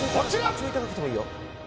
ちょい高くてもいいよ